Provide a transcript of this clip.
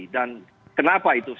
dan kenapa itu